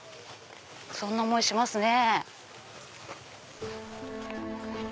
そんな思いしますね。